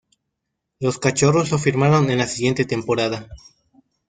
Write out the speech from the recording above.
Los Cachorros lo firmaron en la siguiente temporada.